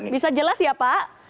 bisa jelas ya pak